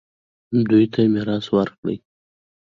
دوی ته میراث ورکړئ